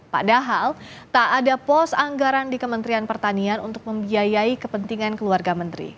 padahal tak ada pos anggaran di kementerian pertanian untuk membiayai kepentingan keluarga menteri